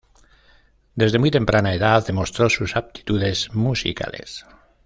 Desde muy temprana edad, demostró sus aptitudes musicales.